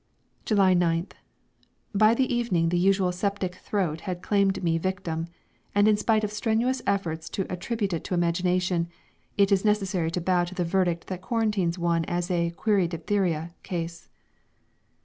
July 9th. By the evening the usual septic throat had claimed me victim, and in spite of strenuous efforts to attribute it to imagination, it is necessary to bow to the verdict that quarantines one as a "Query Diphtheria" case.